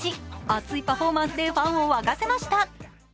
熱いパフォーマンスでファンを沸かせました。